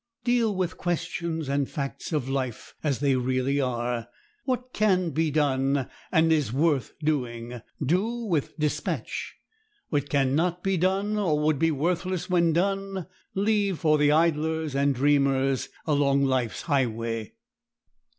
Deal with questions and facts of life as they really are. What can be done, and is worth doing, do with dispatch; what can not be done, or would be worthless when done, leave for the idlers and dreamers along life's highway.